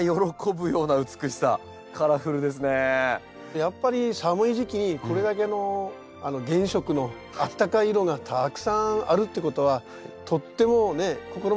やっぱり寒い時期にこれだけの原色のあったかい色がたくさんあるってことはとってもね心まであったかくなりますよね。